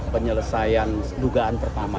penyelesaian dugaan pertama